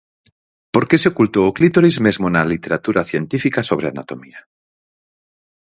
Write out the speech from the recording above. Por que se ocultou o clítoris mesmo na literatura científica sobre anatomía?